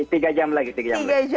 tiga jam lagi